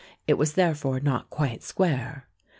It was therefore not quite square.